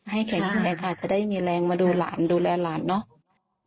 ให้แข็งแข็งอาจจะได้มีแรงมาดูราวราญดูแลราญเนอะ